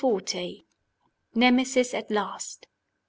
NEMESIS AT LAST.